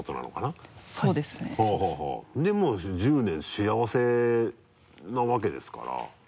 もう１０年幸せなわけですから。